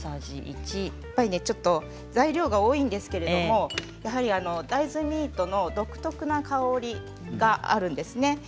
やっぱりちょっと材料が多いんですけれど大豆ミートの独特な香りがあるんですね。